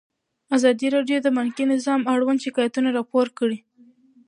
ازادي راډیو د بانکي نظام اړوند شکایتونه راپور کړي.